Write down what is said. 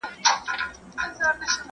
پخوا هیچا دا خبره نه وه کړې.